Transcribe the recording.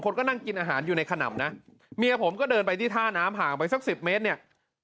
ก็นั่งกินอาหารอยู่ในขนำนะเมียผมก็เดินไปที่ท่าน้ำห่างไปสักสิบเมตรเนี่ย